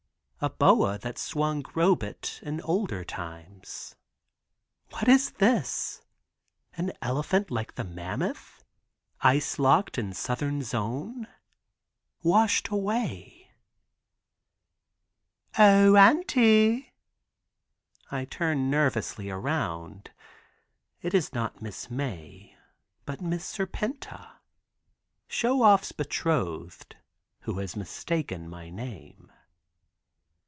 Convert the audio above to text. A boa that swung Robet in olden time. What is this, an elephant like the mammoth, ice locked in southern zone. Washed away? "O auntie!" I turn nervously around. It is not Miss Mae but Miss Serpenta. Show Off's betrothed, who has mistaken my name.